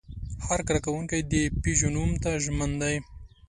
هر کارکوونکی د پيژو نوم ته ژمن دی.